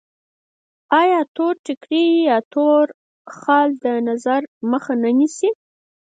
آیا تور ټیکری یا تور خال د نظر مخه نه نیسي؟